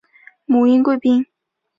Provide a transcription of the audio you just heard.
母殷贵嫔。